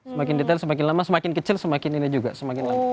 semakin detail semakin lama semakin kecil semakin ini juga semakin lama